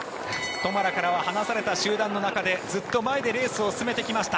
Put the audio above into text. トマラからは離された集団の中でずっと前でレースを進めてきました。